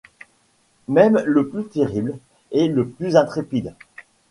Même le plus terrible et le plus intrépide.